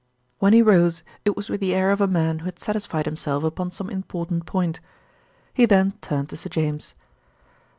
When he rose it was with the air of a man who had satisfied himself upon some important point. He then turned to Sir James.